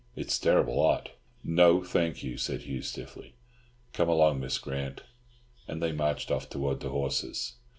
It's terrible hot." "No, thank you," said Hugh stiffly. "Come along, Miss Grant." And they marched off towards the horses.